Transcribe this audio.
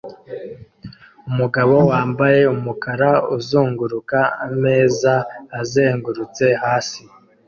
Umugabo wambaye umukara uzunguruka ameza azengurutse hasi